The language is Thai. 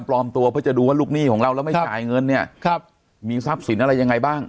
ปลอมตัวเพื่อจะดูว่าลูกหนี้ของเราแล้วไม่จ่ายเงินเนี่ยครับมีทรัพย์สินอะไรยังไงบ้าง